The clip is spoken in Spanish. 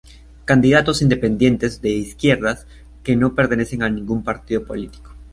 Candidatos independientes de izquierdas que no pertenecen a ningún partido político.